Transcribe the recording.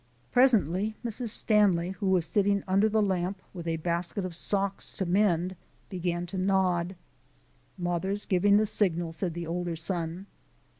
Presently Mrs. Stanley, who was sitting under the lamp with a basket of socks to mend, began to nod. "Mother's giving the signal," said the older son.